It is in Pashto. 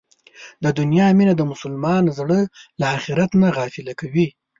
د دنیا مینه د مسلمان زړه له اخرت نه غافله کوي.